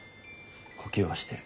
呼吸はしてる。